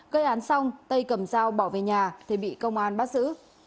gây án xong tây cầm dao bỏ về nhà thì bị công an bắt giữ